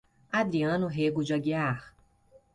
Adriano Rego de Aguiar